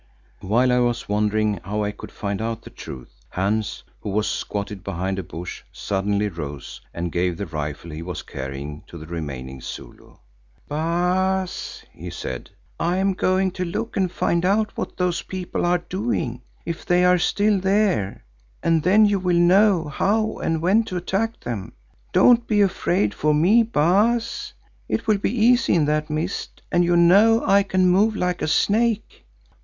While I was wondering how I could find out the truth, Hans, who was squatted behind a bush, suddenly rose and gave the rifle he was carrying to the remaining Zulu. "Baas," he said, "I am going to look and find out what those people are doing, if they are still there, and then you will know how and when to attack them. Don't be afraid for me, Baas, it will be easy in that mist and you know I can move like a snake.